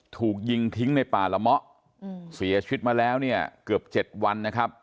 ถูกยิงทิ้งในป่าละมะเสียชิดมาแล้วเกือบ๗วันนะครับ